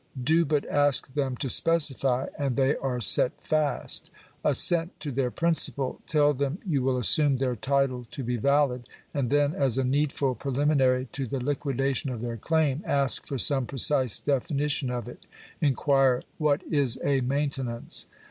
Do but ask them to specify, and they are set fast. Assent to their principle ; tell them you will assume their title to be valid ; and then, as a needful pre liminary to the liquidation of their claim, ask for some precise definition of it— inquire " What is a maintenance